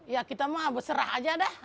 ya kita mah berserah aja dah